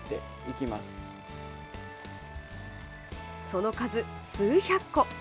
その数、数百個。